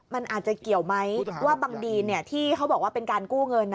มันอาจจะเกี่ยวไหมว่าบางดีนที่เขาบอกว่าเป็นการกู้เงิน